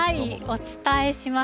お伝えします。